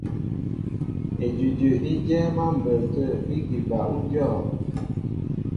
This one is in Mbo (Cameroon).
Edʉdʉ í dyɛ́ɛ́m á mbə̌ tə̂ ígi bal ú dyɔ̂.